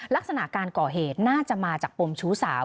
ลักษณะการก่อเหตุน่าจะมาจากปมชู้สาว